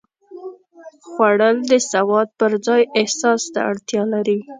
خوړل د سواد پر ځای احساس ته اړتیا لري